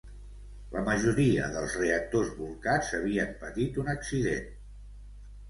La majoria dels reactors bolcats havien patit un accident.